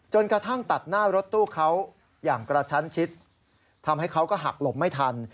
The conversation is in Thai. กระทั่งตัดหน้ารถตู้เขาอย่างกระชั้นชิดทำให้เขาก็หักหลบไม่ทัน